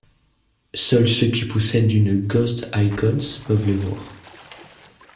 Seuls ceux qui possèdent une Ghost Eyecons peuvent les voir.